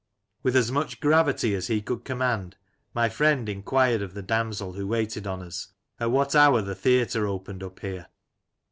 With as much gravity as he could command, my friend enquired of the damsel who waited on us, at what hour the theatre opened up there.